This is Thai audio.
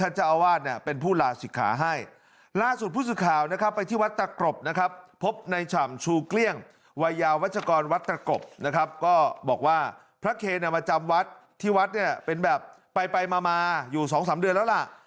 วัชกรวัดตะกรบนะครับก็บอกว่าพระเคร้ามาจำวัดที่วัดเนี่ยเป็นแบบไปมาอยู่๒๓เดือนแล้วล่ะ